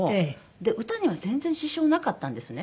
で歌には全然支障なかったんですね。